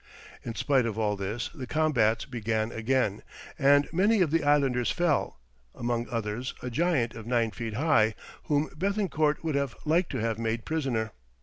In spite of all this the combats began again, and many of the islanders fell, among others a giant of nine feet high, whom Béthencourt would have liked to have made prisoner.